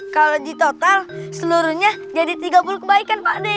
kalau di total seluruhnya jadi tiga puluh kebaikan pak